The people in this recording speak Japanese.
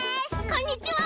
こんにちは。